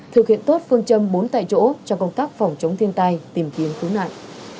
thực hiện tốt phương châm bốn tại chỗ cho công tác phòng chống thiên tai tìm kiếm cứu nạn